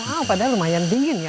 oh padahal lumayan dingin ya